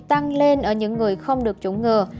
tăng lên ở những người không được chủng ngừa